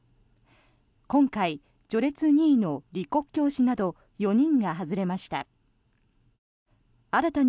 今回、序列２位の李克強氏など４人が外れました。